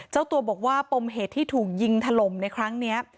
เจ้าตัวบอกว่าปมเหตุที่ถูกยิงถล่มในครั้งนี้